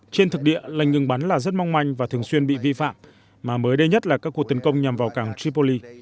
trên thực địa lệnh ngừng bắn là rất mong manh và thường xuyên bị vi phạm mà mới đây nhất là các cuộc tấn công nhằm vào cảng tripoli